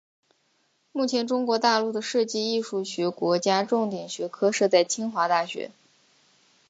目前中国大陆的设计艺术学国家重点学科设在清华大学。